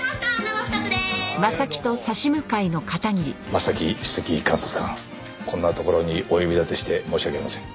正木首席監察官こんな所にお呼び立てして申し訳ありません。